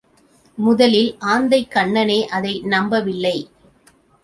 முதலில் ஆந்தைக்கண்ணனே அதை நம்பவில்லை.